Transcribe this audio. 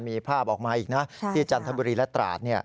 มีภาพออกมาอีกนะที่จันทบุรีและตราด